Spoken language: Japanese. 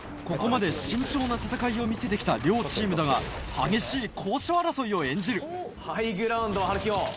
ここまで慎重な戦いを見せて来た両チームだが激しい高所争いを演じるハイグラウンドはるきよ。